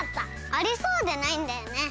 ありそうでないんだよね。